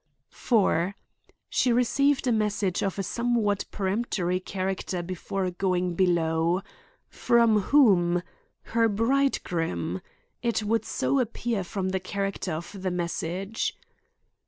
4. She received a message of a somewhat peremptory character before going below. From whom? Her bridegroom? It would so appear from the character of the message.